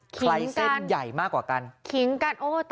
ใครเส้นใหญ่มากกว่ากัน